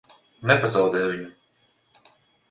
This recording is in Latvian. Nepazaudē viņu!